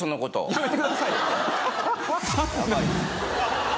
やめてくださいよ！